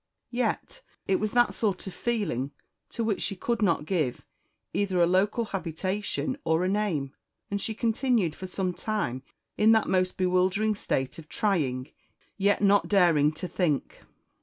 Yet, it was that sort of feeling to which she could not give either a local habitation or a name; and she continued for some time in that most bewildering state of trying, yet not daring to think.